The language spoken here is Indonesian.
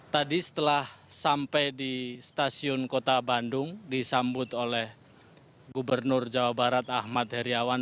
tadi setelah sampai di stasiun kota bandung disambut oleh gubernur jawa barat ahmad heriawan